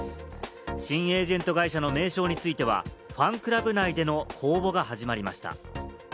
新エージェント会社の名称については、ファンクラブ内での公募が始まりました。